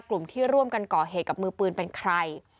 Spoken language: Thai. กลุ่มที่ร่วมกันก่อเหตุกับมือปืนเป็นใคร